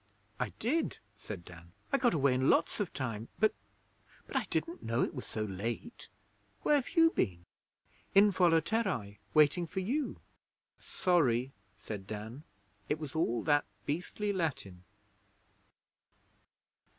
'I did,' said Dan. 'I got away in lots of time, but but I didn't know it was so late. Where've you been?' 'In Volaterrae waiting for you.' 'Sorry,' said Dan. 'It was all that beastly Latin.'